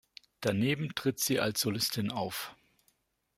Daneben tritt sie als Solistin auf.